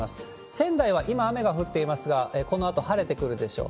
仙台は今、雨が降っていますが、このあと晴れてくるでしょう。